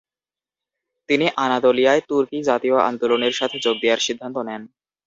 তিনি আনাতোলিয়ায় তুর্কি জাতীয় আন্দোলনের সাথে যোগ দেয়ার সিদ্ধান্ত নেন।